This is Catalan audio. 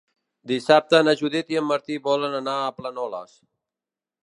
Dissabte na Judit i en Martí volen anar a Planoles.